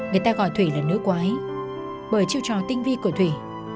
người ta gọi thủy là nữ quái bởi chiêu trò tinh vi của thủy